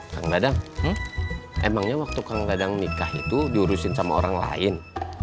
kang dadang emangnya waktu kang dadang nikah itu diurusin sama orang lain